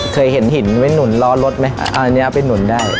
เคยเห็นหินไว้หนุนล้อรถไหมอันนี้เอาไปหนุนได้